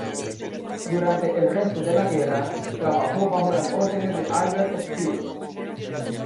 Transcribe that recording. Durante el resto de la guerra, trabajó bajo las órdenes de Albert Speer.